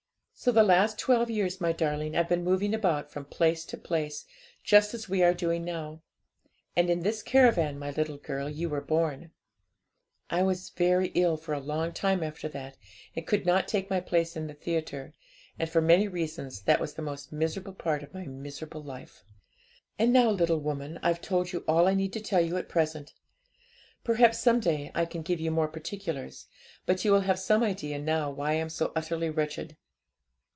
'So the last twelve years, my darling, I've been moving about from place to place, just as we are doing now. And in this caravan, my little girl, you were born. I was very ill a long time after that, and could not take my place in the theatre, and, for many reasons, that was the most miserable part of my miserable life. 'And now, little woman, I've told you all I need tell you at present; perhaps some day I can give you more particulars; but you will have some idea now why I am so utterly wretched.